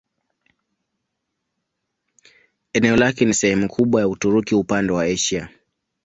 Eneo lake ni sehemu kubwa ya Uturuki upande wa Asia.